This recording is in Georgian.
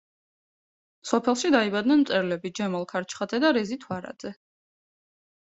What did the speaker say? სოფელში დაიბადნენ მწერლები ჯემალ ქარჩხაძე და რეზი თვარაძე.